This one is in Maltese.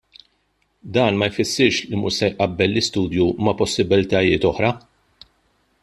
Dan ma jfissirx li mhux se jqabbel l-istudju ma' possibbiltajiet oħra.